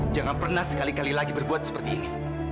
jangan pernah sekali kali lagi berbuat seperti ini